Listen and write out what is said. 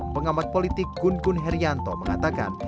pengamat politik gun gun herianto mengatakan